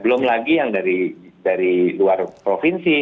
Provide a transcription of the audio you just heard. belum lagi yang dari luar provinsi